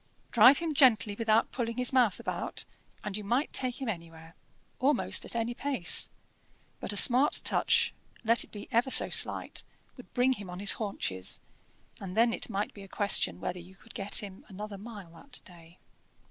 Drive him gently without pulling his mouth about, and you might take him anywhere, almost at any pace; but a smart touch, let it be ever so slight, would bring him on his haunches, and then it might be a question whether you could get him another mile that day.